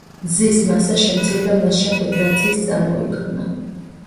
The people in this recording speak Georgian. მზის მასა შემცირდა მას შემდეგ, რაც ის წარმოიქმნა.